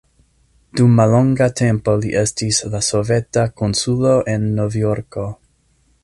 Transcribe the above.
Dum mallonga tempo li estis la soveta konsulo en Novjorko.